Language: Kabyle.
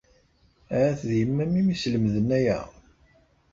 Ahat d yemma-m i am-islemden aya?